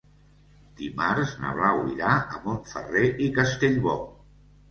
Dimarts na Blau irà a Montferrer i Castellbò.